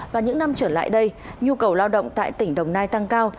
và những năm trở lại đây nhu cầu lao động tại tỉnh đồng nai tăng cao